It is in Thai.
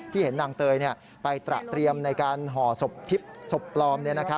เห็นนางเตยไปตระเตรียมในการห่อศพทิพย์ศพปลอม